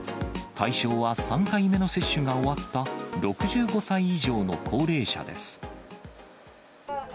対象は３回目の接種が終わった、６５歳以上の高齢者です。